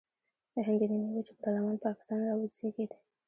د هند د نیمې وچې پر لمن پاکستان راوزېږید.